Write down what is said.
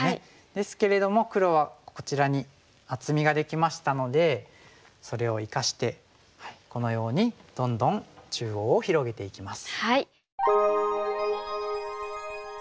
ですけれども黒はこちらに厚みができましたのでそれを生かしてこのようにどんどん中央を広げていきます。